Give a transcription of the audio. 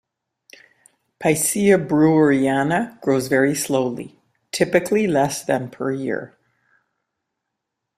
"Picea breweriana" grows very slowly, typically less than per year.